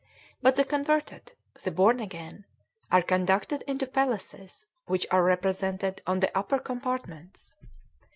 But the converted (the "born again") are conducted into palaces, which are represented on the upper compartments.